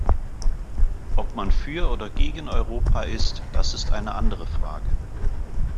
Ob man für oder gegen Europa ist, das ist eine andere Frage.